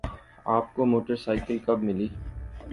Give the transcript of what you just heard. آپ کو motorcycle کب ملی؟